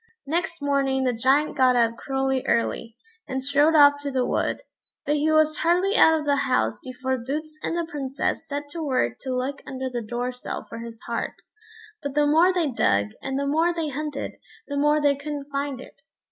Next morning the Giant got up cruelly early, and strode off to the wood; but he was hardly out of the house before Boots and the Princess set to work to look under the door sill for his heart; but the more they dug, and the more they hunted, the more they couldn't find it.